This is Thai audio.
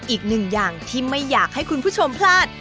อีกหนึ่งอย่างที่ไม่อยากให้คุณผู้ชมพลาด